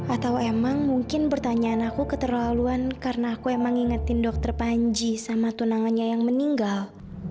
atau emang mungkin pertanyaan aku keterlaluan karena aku emang ingetin dokter panji sama tunangannya yang meninggal